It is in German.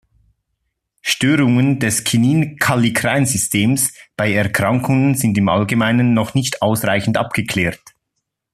Störungen des Kinin-Kallikrein-Systems bei Erkrankungen sind im Allgemeinen noch nicht ausreichend abgeklärt.